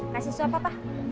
kasih suap papa